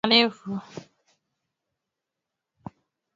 Nyinyi ni warefu